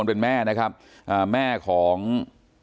แล้วหลังจากนั้นเราขับหนีเอามามันก็ไล่ตามมาอยู่ตรงนั้น